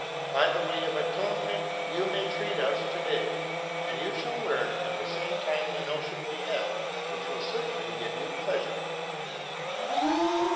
By way of atonement, you may treat us to day ; and you shall learn at the same time the notion we have, which will certainly give you pleasure.